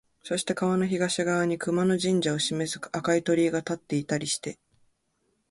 そして川の東側に熊野神社を示す赤い鳥居が立っていたりして、